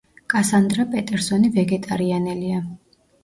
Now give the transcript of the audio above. კასანდრა პეტერსონი ვეგეტარიანელია.